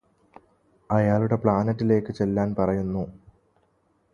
അയാളുടെ പ്ലാനറ്റിലേയ്ക് ചെല്ലാന് പറയുന്നു